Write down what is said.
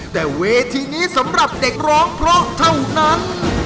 แต่เวทีนี้สำหรับเด็กร้องเพราะเท่านั้น